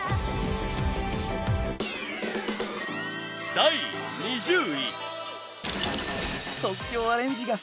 第２０位。